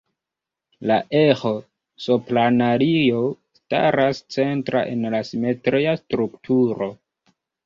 La eĥo-sopranario staras centra en la simetria strukturo.